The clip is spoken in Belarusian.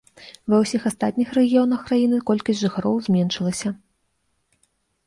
Ва ўсіх астатніх рэгіёнах краіны колькасць жыхароў зменшылася.